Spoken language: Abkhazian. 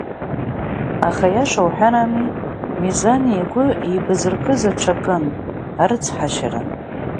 Аха, аиаша уҳәарами, Мизан игәы еибазыркыз аҽакын, арыцҳашьара.